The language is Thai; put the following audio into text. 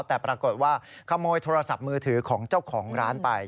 แต่ปรากฏว่าขโมยโทรศัพท์มือถือของเจ้าของร้านไป